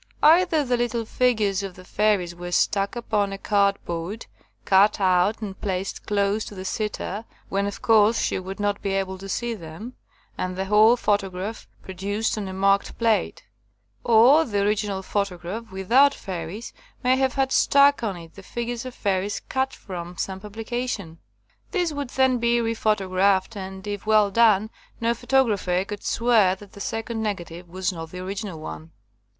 Either the little figures of the fairies were stuck upon a cardboard, cut out and placed close to the sitter, when, of course, she would not be able to see them, and the whole photograph produced on a marked plate; or the original photograph, 78 RECEPTION OF THE FIRST PHOTOGRAPHS without 'fairies,' may have had stuck on it the figures of fairies cut from some publica tion. This would then be rephotographed, and, if well done, no photographer could swear that the second negative was not the original one.